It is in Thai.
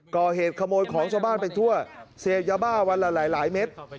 ก่อเหตุขโมยของชาวบ้านไปทั่วเสพยาบ้าวันละหลายเม็ด